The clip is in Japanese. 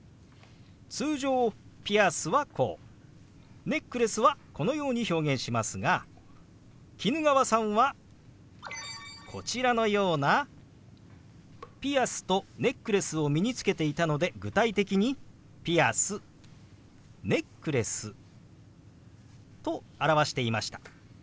通常「ピアス」はこう「ネックレス」はこのように表現しますが衣川さんはこちらのようなピアスとネックレスを身につけていたので具体的に「ピアス」「ネックレス」と表していました。